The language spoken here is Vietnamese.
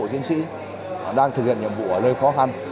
chiến sĩ đang thực hiện nhiệm vụ ở nơi khó khăn